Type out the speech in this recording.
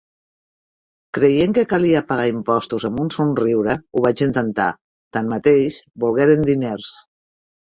Creient que calia pagar impostos amb un somriure, ho vaig intentar; tanmateix, volgueren diners...